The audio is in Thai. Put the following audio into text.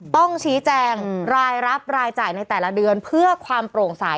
ต้องชี้แจงรายรับรายจ่ายในแต่ละเดือนเพื่อความโปร่งใส